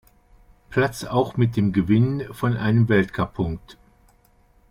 Platz auch mit dem Gewinn von einem Weltcup-Punkt.